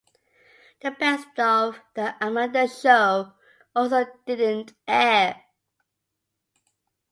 The Best of The Amanda Show also didn't air.